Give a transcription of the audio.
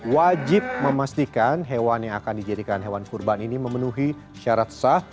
wajib memastikan hewan yang akan dijadikan hewan kurban ini memenuhi syarat sah